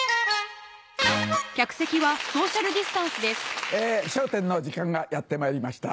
あゝ驚いた『笑点』の時間がやってまいりました。